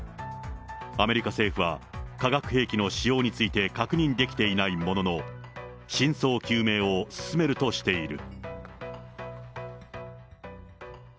アメリカ政府は、化学兵器の使用について確認できていないものの、真相究明を進めるとしている。